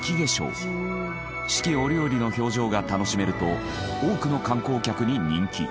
四季折々の表情が楽しめると多くの観光客に人気。